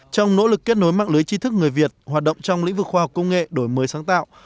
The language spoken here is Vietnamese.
trong nỗ lực kết nối mạng lưới tri thức người việt hoạt động trong lĩnh vực khoa học công nghệ đổi mới sáng tạo